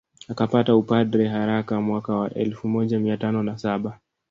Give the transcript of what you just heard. Akapata upadre haraka mwaka wa elfu moja mia tano na saba